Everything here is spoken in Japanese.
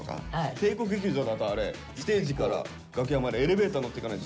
帝国劇場だとあれステージから楽屋までエレベーター乗っていかないと。